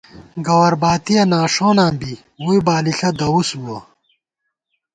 گوَرباتِیَہ ناݭوناں بی ، ووئی بالِݪہ دَوُس بووَہ